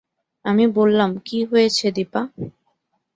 আমি বললাম, কী হয়েছে দিপা?